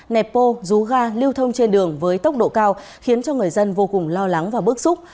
nẹp bô rú ga lưu thông trên đường với tốc độ cao khiến cho người dân vô cùng lo lắng và bức xúc